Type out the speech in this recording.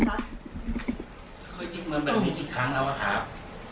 เคยยิงเหมือนแบบนี้อีกครั้งแล้วหรือครับ